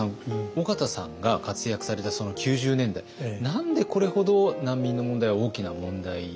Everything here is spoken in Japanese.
緒方さんが活躍された９０年代何でこれほど難民の問題は大きな問題になったんでしょう？